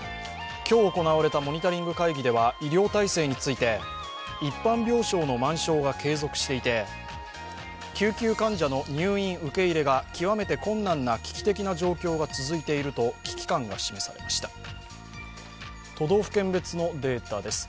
今日行われたモニタリング会議では医療体制について一般病床の満床が継続していて救急患者の入院受け入れが極めて困難な危機的な状況が続いていると危機感が示されました。